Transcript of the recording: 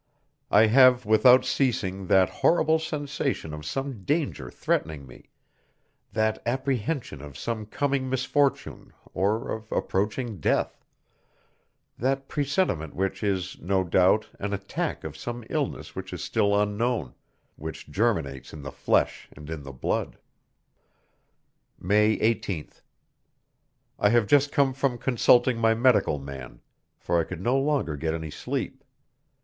I have without ceasing that horrible sensation of some danger threatening me, that apprehension of some coming misfortune or of approaching death, that presentiment which is, no doubt, an attack of some illness which is still unknown, which germinates in the flesh and in the blood. May 18th. I have just come from consulting my medical man, for I could no longer get any sleep.